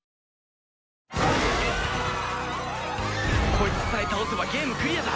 こいつさえ倒せばゲームクリアだ！